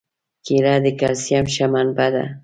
کېله د کلسیم ښه منبع ده.